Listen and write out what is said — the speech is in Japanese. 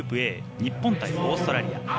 日本対オーストラリア。